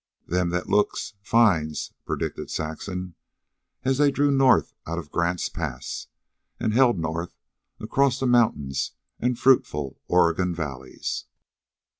"'Them that looks finds,'" predicted Saxon, as they drew north out of Grant's Pass, and held north across the mountains and fruitful Oregon valleys.